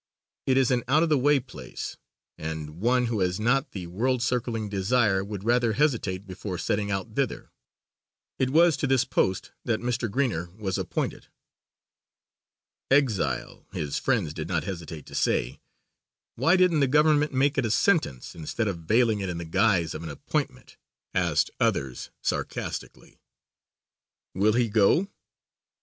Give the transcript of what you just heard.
It is an out of the way place and one who has not the world circling desire would rather hesitate before setting out thither. It was to this post that Mr. Greener was appointed. "Exile," his friends did not hesitate to say. "Why didn't the Government make it a sentence instead of veiling it in the guise of an appointment?" asked others sarcastically. "Will he go?"